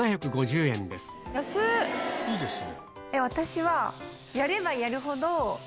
私はやればやるほど。